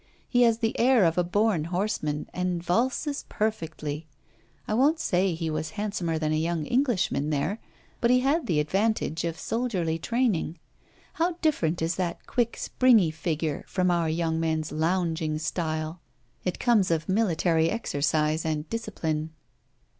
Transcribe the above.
He has the air of a born horseman, and valses perfectly. I won't say he was handsomer than a young Englishman there, but he had the advantage of soldierly training. How different is that quick springy figure from our young men's lounging style! It comes of military exercise and discipline.'